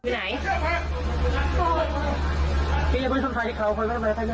ไหน